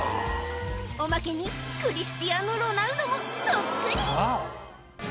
おまけにクリスティアーノ・ロナウドもそっくり！